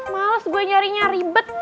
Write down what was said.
males gue nyari nyari bet